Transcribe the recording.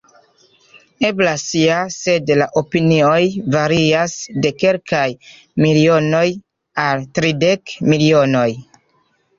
Eblas ja, sed la opinioj varias de kelkaj milionoj al tridek milionoj!